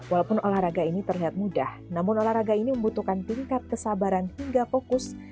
walaupun olahraga ini terlihat mudah namun olahraga ini membutuhkan tingkat kesabaran hingga fokus